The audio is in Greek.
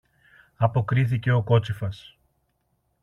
αποκρίθηκε ο κότσυφας.